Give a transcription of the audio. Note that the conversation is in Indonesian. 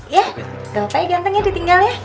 ya gak apa apa ya gantengnya ditinggal ya